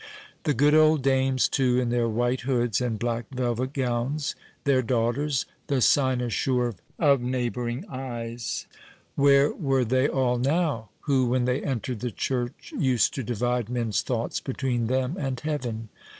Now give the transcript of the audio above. The good old dames, too, in their white hoods and black velvet gowns—their daughters, "the cynosure of neighbouring eyes,"—where were they all now, who, when they entered the church, used to divide men's thoughts between them and Heaven?